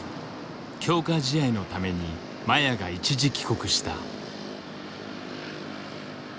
強化試合のために麻也が一時帰国した。